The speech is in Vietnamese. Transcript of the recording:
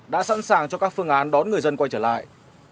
đã sẵn sàng cho các phương án đón người dân quay trở lại